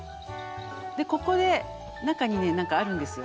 でここで中に何かあるんですよ